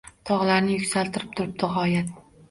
Tog‘larni yuksaltib turibdi g‘oyat.